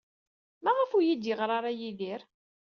Maɣef ur iyi-d-yeɣri ara Yidir?